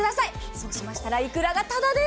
そうしましたら、いくらがただです